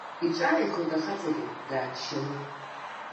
Иҿааихоит ахаҵагь, дааччаны.